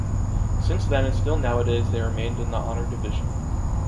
Since then and still nowadays they remained in the Honor Division.